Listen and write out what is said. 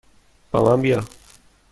با من بیا!